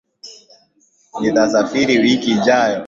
Nitasafiri wiki ijayo